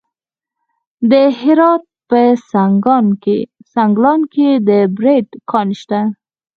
د هرات په سنګلان کې د بیرایت کان شته.